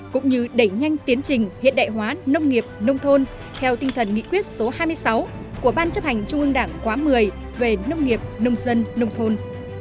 cũng như đẩy nhanh tiến trình hiện đại hóa nông nghiệp nông thôn theo tinh thần nghị quyết số hai mươi sáu của ban chấp hành trung ương đảng khóa một mươi về nông nghiệp nông dân nông thôn